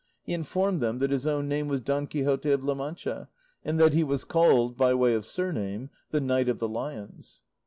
He informed them that his own name was Don Quixote of La Mancha, and that he was called, by way of surname, the Knight of the Lions.